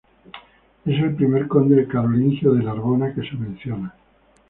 Es el primer conde carolingio de Narbona que se menciona.